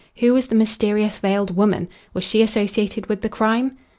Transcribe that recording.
Who was the mysterious veiled woman? Was she associated with the crime?